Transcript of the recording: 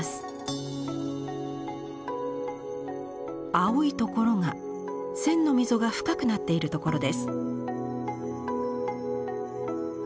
青いところが線の溝が深くなっているところです。